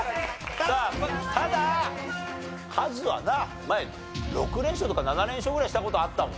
さあただカズはな前６連勝とか７連勝ぐらいした事あったもんな。